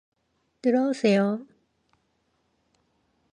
들어 오세요.